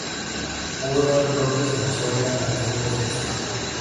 Hubo dos relojes en Soria anteriores a este.